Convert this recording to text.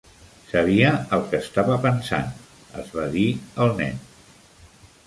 "Sabia el que estava pensant" es va dir el nen.